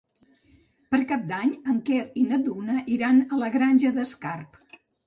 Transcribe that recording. Per Cap d'Any en Quer i na Duna iran a la Granja d'Escarp.